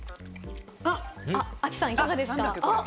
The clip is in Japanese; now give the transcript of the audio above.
亜希さん、いかがですか？